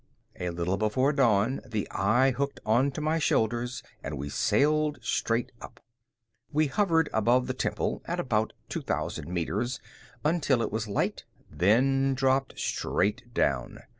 A little before dawn, the eye hooked onto my shoulders and we sailed straight up. We hovered above the temple at about 2,000 meters, until it was light, then dropped straight down.